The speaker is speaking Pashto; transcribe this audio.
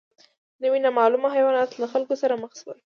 نوي نامعلومه حیوانات له خلکو سره مخ شول.